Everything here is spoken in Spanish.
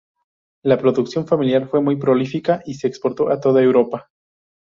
La producción familiar fue muy prolífica y se exportó a toda Europa.